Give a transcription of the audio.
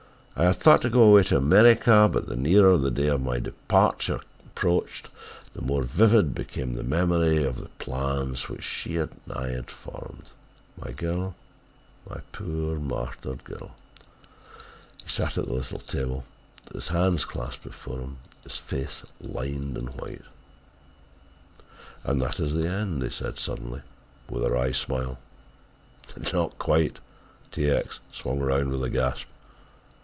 I had thought to go away to America, but the nearer the day of my departure approached, the more vivid became the memory of the plans which she and I had formed, my girl... my poor martyred girl!" He sat at the little table, his hands clasped before him, his face lined and white. "And that is the end!" he said suddenly, with a wry smile. "Not quite!" T. X. swung round with a gasp.